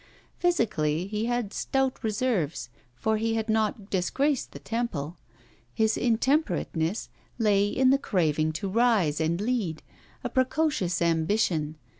Physically he had stout reserves, for he had not disgraced the temple. His intemperateness lay in the craving to rise and lead: a precocious ambition.